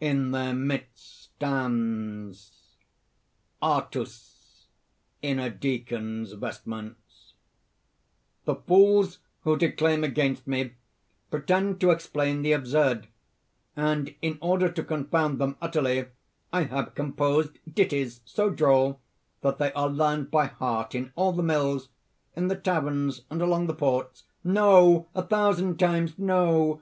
In their midst stands_ ) ARTUS (in a deacon's vestments): "The fools who declaim against me pretend to explain the absurd; and in order to confound them utterly, I have composed ditties so droll that they are learned by heart in all the mills, in the taverns and along the ports. "No! a thousand times no!